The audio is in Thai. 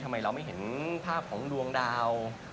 ทำไมเราไม่เห็นภาพของดวงดาว